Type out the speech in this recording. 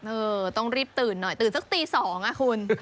เออต้องรีบตื่นหน่อยตื่นสักตี๒อ่ะคุณ